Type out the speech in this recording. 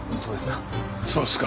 そうですか。